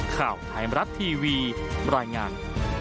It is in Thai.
ข่าวไทยมรัฐทีวีรายงาน